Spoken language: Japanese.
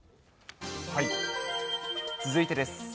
続いてです。